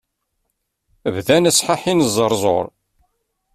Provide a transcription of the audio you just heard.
Bdan asḥaḥi n uẓerẓur.